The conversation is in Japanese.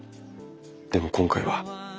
でも今回は。